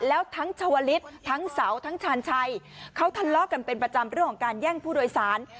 แล้วทั้งชาวลิศทั้งเสาทั้งชาญชัยเขาทะเลาะกันเป็นประจำเรื่องของการแย่งผู้โดยสาร